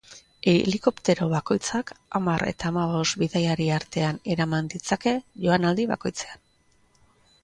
Helikoptero bakoitzak hamar eta hamabost bidaiari artean eraman ditzake joanaldi bakoitzean.